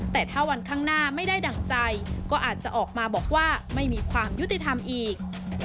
แต่ถ้าวันข้างหน้าไม่ได้ดั่งใจก็อาจจะออกมาบอกว่าไม่มีความยุติธรรมอีก